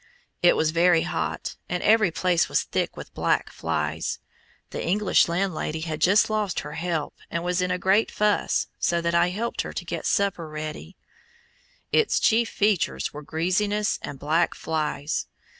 It was very hot, and every place was thick with black flies. The English landlady had just lost her "help," and was in a great fuss, so that I helped her to get supper ready. Its chief features were greasiness and black flies.